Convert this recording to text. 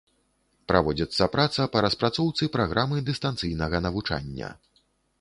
Праводзіцца праца па распрацоўцы праграмы дыстанцыйнага навучання.